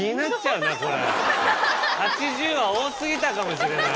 ８０は多過ぎたかもしれない。